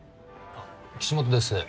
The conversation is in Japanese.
あっ岸本です。